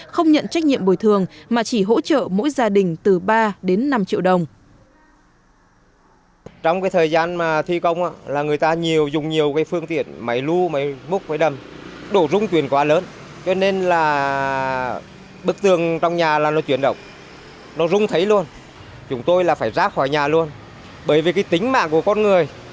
không nhận trách nhiệm bồi thường mà chỉ hỗ trợ mỗi gia đình từ ba đến năm triệu đồng